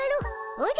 おじゃ。